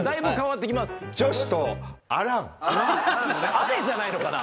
「あれ」じゃないのかな。